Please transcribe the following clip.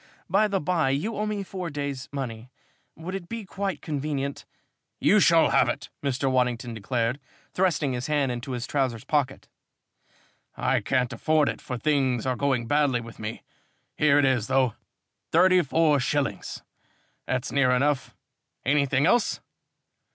"By the bye, you owe me four days' money. Would it be quite convenient ?" "You shall have it," Mr. Waddington declared, thrusting his hand into his trousers pocket. "I can't afford it, for things are going badly with me. Here it is, though. Thirty four shillings that's near enough. Anything else?"